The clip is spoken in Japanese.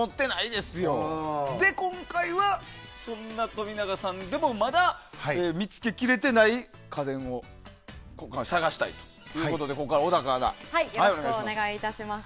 で、今回はそんな冨永さんでもまだ見つけきれてない家電を探したいということで小高アナお願いします。